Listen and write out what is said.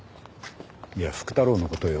いや福太郎の事よ。